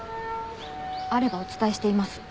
あればお伝えしています。